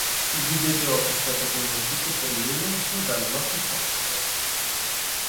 Il videogioco è stato convertito per Linux da Loki Software.